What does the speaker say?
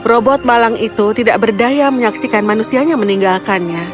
robot malang itu tidak berdaya menyaksikan manusianya meninggalkannya